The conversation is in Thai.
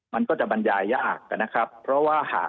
มันก็จะบรรยายยะอักนะครับเพราะว่าหาก